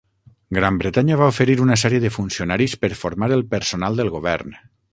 Gran Bretanya va oferir una sèrie de funcionaris per formar el personal del govern.